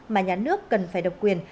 mà nhà nước cần phải độc quyền